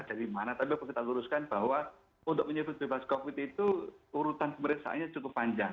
dari mana tapi harus kita luruskan bahwa untuk menyebut bebas covid itu urutan pemeriksaannya cukup panjang